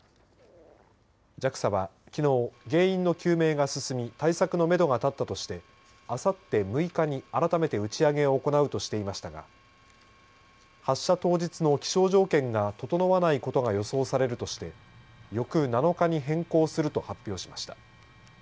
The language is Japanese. ＪＡＸＡは、きのう原因の究明が進み対策のめどが立ったとしてあさって６日に改めて打ち上げを行うとしていましたが発射当日の気象条件が整わないことが予想されるとして翌７日に変更すると発表しました。